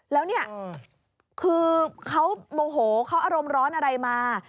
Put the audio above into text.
แล้วเนี่ยคือเขาโมโหเขาอารมณ์ร้อนอะไรมา